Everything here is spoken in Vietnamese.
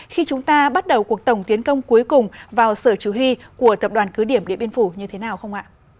khi chúng ta bắt đầu cuộc tổng tiến công cuối cùng vào sở chủ huy của tập đoàn cứ điểm điện biên phủ như thế nào không ạ